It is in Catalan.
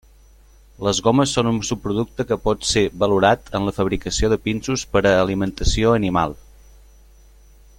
Les gomes són un subproducte que pot ser valorat en la fabricació de pinsos per a alimentació animal.